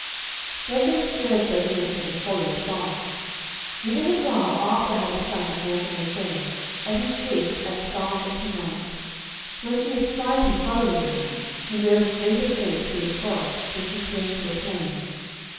Then they spurred their horses and followed fast. Within a while Arthur had a sight of Morgan le Fay, and he chased as fast as he might. When she espied him following her, she rode a greater pace through the forest till she came to a plain.